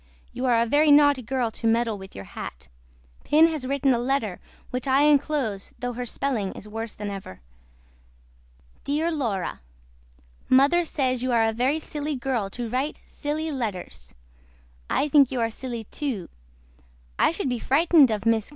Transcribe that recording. YOU ARE A VERY NAUGHTY GIRL TO MEDDLE WITH YOUR HAT. PIN HAS WRITTEN A LETTER WHICH I ENCLOSE THOUGH HER SPELLING IS WORSE THAN EVER. DEAR LAURA MOTHER SAYS YOU ARE A VERY SILY GIRL TO RITE SUCH SILY LETTERS I THINK YOU ARE SILY TO I SHOOD BE FRITENED OF MRS.